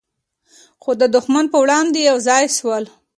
خو د دښمن په وړاندې یو ځای سول.